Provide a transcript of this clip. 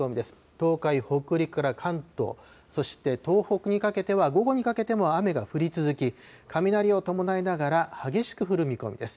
東海、北陸から関東、そして東北にかけては、午後にかけても雨が降り続き、雷を伴いながら、激しく降る見込みです。